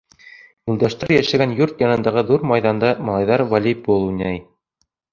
Юлдаштар йәшәгән йорт янындағы ҙур майҙанда малайҙар волейбол уйнай.